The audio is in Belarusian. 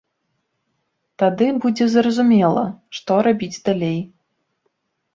Тады будзе зразумела, што рабіць далей.